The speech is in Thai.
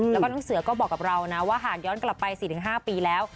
แล้วก็น้องเสือก็บอกกับเรานะว่าหากย้อนกลับไป๔๕ปีแล้ว